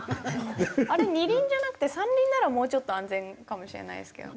あれ２輪じゃなくて３輪ならもうちょっと安全かもしれないですけどね。